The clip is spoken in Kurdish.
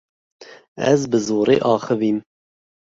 Ez bi zorê axivîm.